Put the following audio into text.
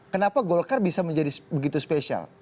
kenapa golkar bisa menjadi begitu spesial